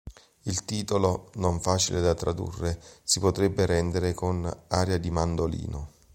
Il titolo, non facile da tradurre, si potrebbe rendere con "aria di mandolino".